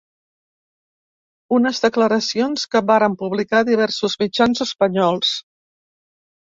Unes declaracions que varen publicar diversos mitjans espanyols.